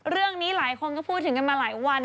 เรื่องนี้หลายคนก็พูดถึงกันมาหลายวัน